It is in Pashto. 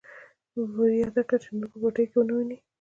ورياده يې کړه چې نور يې په پټيو کې ونه ويني.